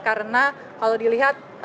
karena kalau dilihat